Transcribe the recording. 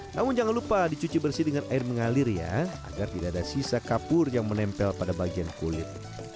namun jangan lupa dicuci bersih dengan air mengalir ya agar tidak ada sisa kapur yang menempel pada bagian kulit